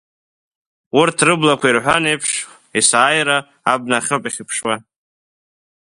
Урҭ рыблақәа, ирҳәан еиԥш, есааира абнахь ауп иахьыԥшуа.